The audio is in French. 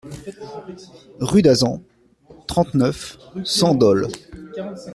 Rue d'Azans, trente-neuf, cent Dole